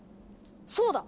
そうだ！